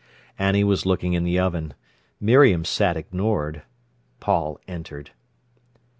Annie was looking in the oven. Miriam sat ignored. Paul entered.